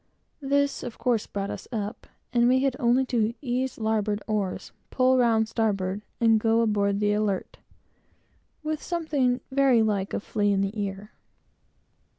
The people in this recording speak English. This, of course, brought us up, and we had only to "ease larboard oars; pull round starboard!" and go aboard the Alert, with something very like a flea in the ear.